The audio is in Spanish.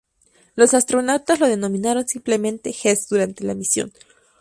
Los astronautas lo denominaron simplemente Hess durante la misión.